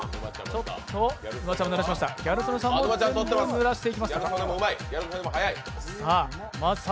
ギャル曽根さんも全部ぬらしていきます。